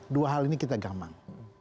dua hal ini kita gamang